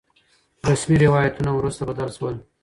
رسمي روايتونه وروسته بدل شول.